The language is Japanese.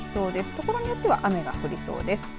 ところによっては雨が降りそうです。